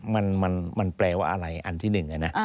มันแปลว่าอะไรอันที่หนึ่งอะนะ